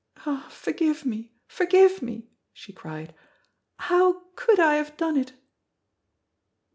"Ah, forgive me, forgive me!" she cried. "How could I have done it?"